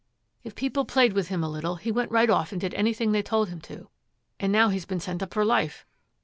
'If people played with him a little, he went right off and did anything they told him to, and now he's been sent up for life.